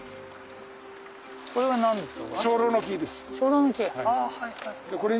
これは何ですか？